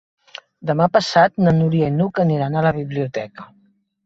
Demà passat na Núria i n'Hug aniran a la biblioteca.